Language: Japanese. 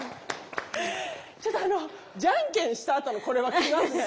ちょっとあのじゃんけんしたあとのこれはきますね。